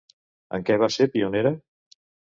En què va ser pionera?